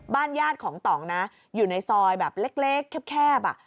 บ้านญาติของต่องนะอยู่ในซอยแบบเล็กแคบอ่ะ